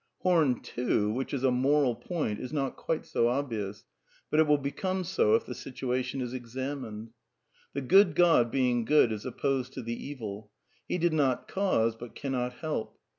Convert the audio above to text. Horn two, which is a moral point, is not quite so obvious ; but it will become so if the situation is examined. The Good God, being good, is opposed to the evil He did not cause but cannot help.